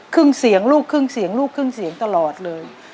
ครึ่งเสียงลูกครึ่งเสียงลูกครึ่งเสียงตลอดเลย